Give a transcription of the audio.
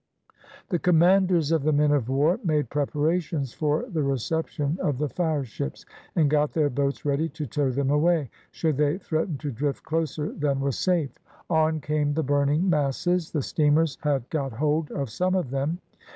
The commanders of the men of war made preparations for the reception of the fireships, and got their boats ready to tow them away, should they threaten to drift closer than was safe. On came the burning masses; the steamers had got hold of some of them.